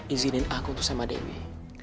izinin aku untuk sama dewi